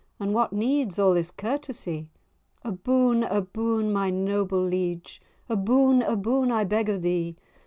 And what needs a' this courtesie?" "A boon, a boon, my noble liege, A boon, a boon, I beg o' thee!